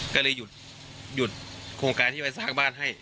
ก็เลยหยุดโครงการที่ไปสร้างบ้านให้